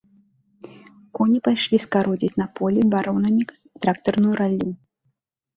Коні пайшлі скародзіць на полі баронамі трактарную раллю.